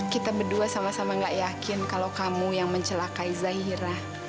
kita berdua sama sama gak yakin kalau kamu yang mencelakai zahira